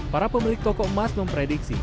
para pemilik toko emas memprediksi